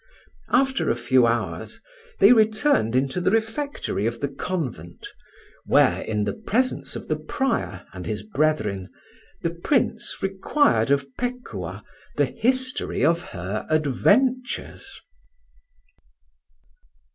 After a few hours they returned into the refectory of the convent, where, in the presence of the prior and his brethren, the Prince required of Pekuah the history of her adventures.